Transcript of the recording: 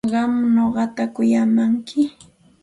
¿Qam nuqata kuyamanki?